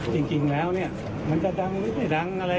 จริงแล้วเนี่ยมันจะดังนิดหน่อย